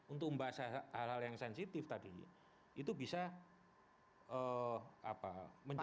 untuk membahas hal hal yang sensitif tadi itu bisa menjadi